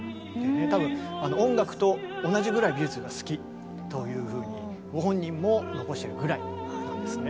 多分音楽と同じぐらい美術が好きというふうにご本人も残しているぐらいなんですね。